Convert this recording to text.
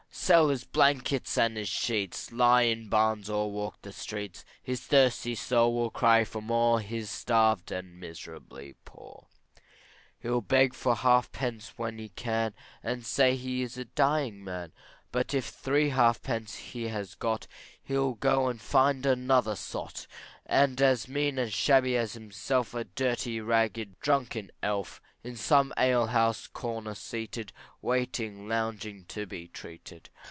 Sell his blankets and his sheets, Lie in barns or walk the streets, His thirsty soul will cry for more, He's starved and miserably poor. He'll beg for half pence when he can, And say he is a dying man; But if three half pence he has got, He'll go and find another sot. As mean and shabby as himself, A dirty, ragged, drunken elf, In some alehouse corner seated, Waiting longing to be treated.